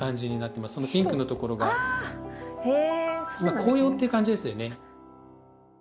紅葉っていう感じですよね。